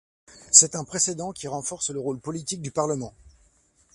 C'est un précédent qui renforce le rôle politique du Parlement.